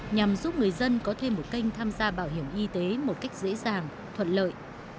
nhằm giúp người dân có thêm một kênh tham gia bảo hiểm y tế một cách dễ dàng thuận lợi